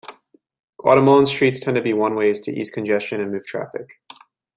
Guatemalan streets tend to be one-ways to ease congestion and move traffic.